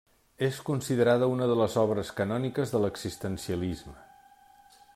És considerada una de les obres canòniques de l'existencialisme.